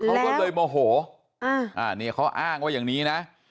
เขาก็เลยโมโหอ่านี่เขาอ้างว่าอย่างนี้นะ